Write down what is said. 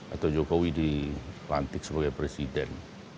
atau jokowi di lantik sebagai presiden